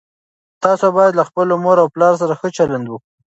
تاسو باید له خپلو مور او پلار سره ښه چلند وکړئ.